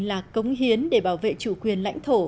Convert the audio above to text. là cống hiến để bảo vệ chủ quyền lãnh thổ